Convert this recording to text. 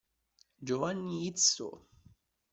Giovanni Izzo